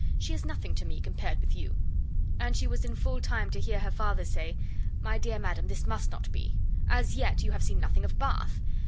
She is nothing to me, compared with you;" and she was in full time to hear her father say, "My dear madam, this must not be. As yet, you have seen nothing of Bath.